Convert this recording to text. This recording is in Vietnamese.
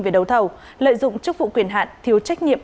về đấu thầu lợi dụng chức vụ quyền hạn thiếu trách nhiệm